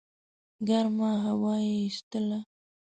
ګرمه هوا یې ایستله.